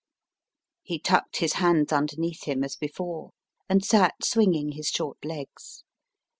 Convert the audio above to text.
He tucked his hands underneath him, as before, and sat swinging his short legs.